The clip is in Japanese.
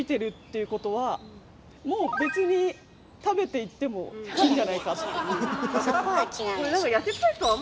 いうことはもう別に食べていってもいいんじゃないかっていう。